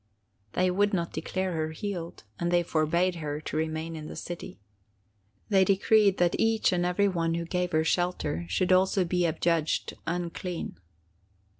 "They would not declare her healed, and they forbade her to remain in the city. They decreed that each and every one who gave her shelter should also be adjudged unclean.